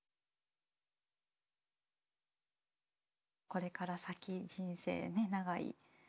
これから先人生ねっ長い。